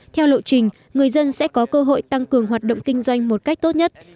theo lộ trình người dân sẽ có cơ hội tăng cường hoạt động kinh doanh một cách tốt nhất